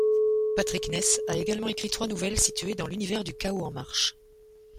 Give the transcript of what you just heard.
Patrick Ness a également écrit trois nouvelles situées dans l'univers du Chaos en marche.